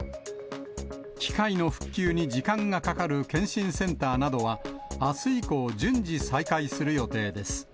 機械の復旧に時間がかかる健診センターなどは、あす以降、順次再開する予定です。